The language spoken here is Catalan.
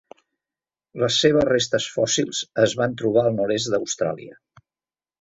Les seves restes fòssils es van trobar al nord-est d'Austràlia.